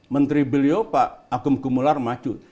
menteri beliau pak agung gumular maju